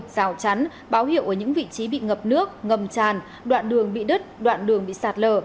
rào chắn báo hiệu ở những vị trí bị ngập nước ngầm tràn đoạn đường bị đứt đoạn đường bị sạt lở